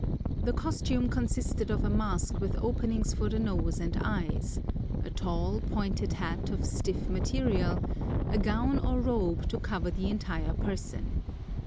The costume consisted of a mask with openings for the nose and eyes; a tall, pointed hat of stiff material; a gown or robe to cover the entire person.